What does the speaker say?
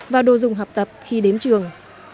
và đồ dùng học tập khi đến trường